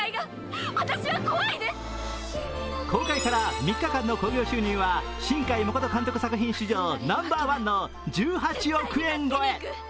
公開から３日間の興行収入は新海誠監督作品史上ナンバーワンの１８億円超え。